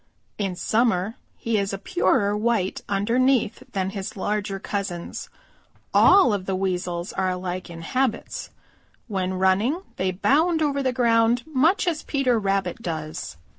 In summer he is a purer white underneath than his larger cousins. All of the Weasels are alike in habits. When running they bound over the ground much as Peter Rabbit does.